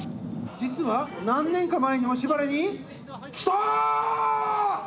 実は何年か前にも「しばれ」に。来た！